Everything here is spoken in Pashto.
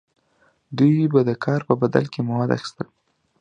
دوی به د کار په بدل کې مواد اخیستل.